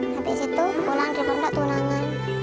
habis itu pulang terbentak tunangan